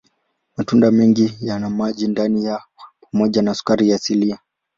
Matunda mengi yana maji ndani yao pamoja na sukari asilia.